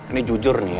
ini jujur nih ya